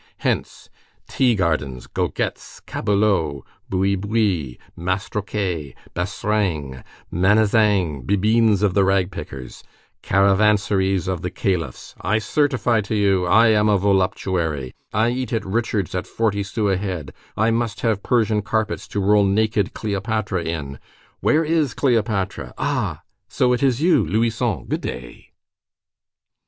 Hence, tea gardens, goguettes, caboulots, bouibuis, mastroquets, bastringues, manezingues, bibines of the rag pickers, caravanseries of the caliphs, I certify to you, I am a voluptuary, I eat at Richard's at forty sous a head, I must have Persian carpets to roll naked Cleopatra in! Where is Cleopatra? Ah! So it is you, Louison. Good day."